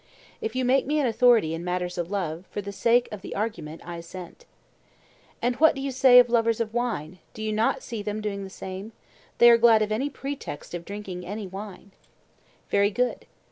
If you make me an authority in matters of love, for the sake of the argument, I assent. And what do you say of lovers of wine? Do you not see them doing the same? They are glad of any pretext of drinking any wine. Very good.